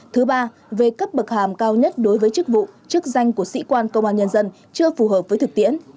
thứ ba về cấp bậc hàm cao nhất đối với chức vụ chức danh của sĩ quan công an nhân dân chưa phù hợp với thực tiễn